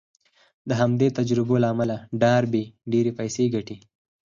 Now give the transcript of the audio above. د همدې تجربو له امله ډاربي ډېرې پيسې ګټي.